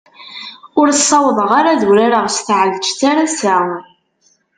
Ur ssawḍeɣ ara ad urareɣ s tɛelǧet ar ass-a.